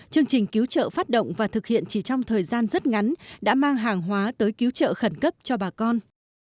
chương trình cứu trợ phát động và thực hiện chỉ trong thời gian rất ngắn đã mang hàng hóa tới cứu trợ khẩn cấp cho bà con